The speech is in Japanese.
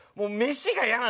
飯が嫌だ。